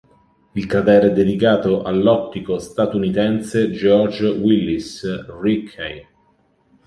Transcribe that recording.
Il cratere è dedicato all'ottico statunitense George Willis Ritchey.